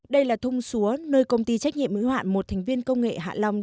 đây là thung xúa nơi công ty trách nhiệm mỹ hoạn một thành viên công nghệ hạ lòng